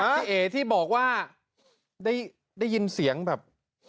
พี่เอ๋ที่บอกว่าได้ยินเสียงแบบ